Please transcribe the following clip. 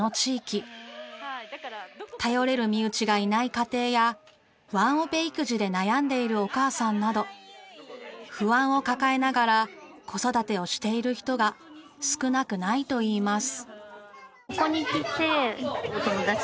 頼れる身内がいない家庭やワンオペ育児で悩んでいるお母さんなど不安を抱えながら子育てをしている人が少なくないといいます。